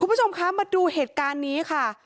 คุณผู้ชมคะมาดูเหตุการณ์นี้ค่ะ